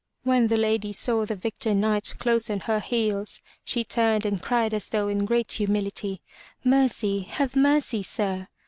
When the lady saw the victor knight close on her heels, she turned and cried as though in great humility, "Mercy! Have mercy, Sir!